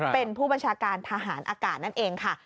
เป็นผู้บัญชาการทหารอากาศนั่นเองค่ะ